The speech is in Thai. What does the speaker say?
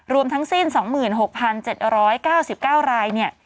รวมทั้งสิ้น๒๖๗๙๙รายเนี่ย